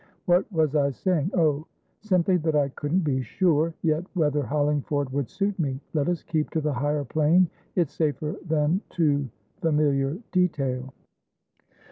What was I saying? Oh, simply that I couldn't be sure, yet, whether Hollingford would suit me. Let us keep to the higher plane. It's safer than too familiar detail."